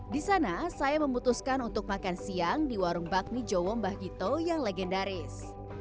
di sana saya memutuskan untuk makan siang di warung bakmi jowo mbah gito yang legendaris